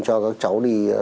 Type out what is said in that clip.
cho các cháu đi